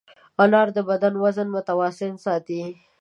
انار د بدن وزن متوازن ساتي.